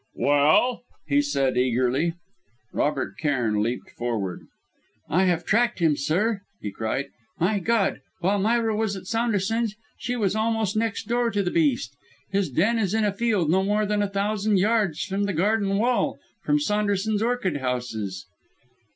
"Well?" he said eagerly. Robert Cairn leapt forward. "I have tracked him, sir!" he cried. "My God! while Myra was at Saunderson's, she was almost next door to the beast! His den is in a field no more than a thousand yards from the garden wall from Saunderson's orchid houses!"